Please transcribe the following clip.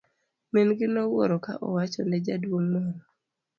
Min gi nowuoro ka owacho ne jaduong' moro.